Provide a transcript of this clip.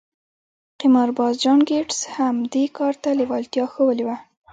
قمارباز جان ګيټس هم دې کار ته لېوالتيا ښوولې وه.